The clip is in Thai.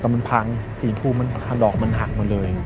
ก็มันพังสีนพูมันหลอกมันหักมาเลย